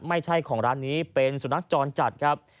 ไม่ใช่ของร้านนี้เป็นสุนัขจรจัดครับ